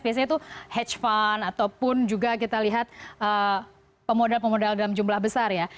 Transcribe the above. biasanya itu hetch fund ataupun juga kita lihat pemodal pemodal dalam jumlah besar ya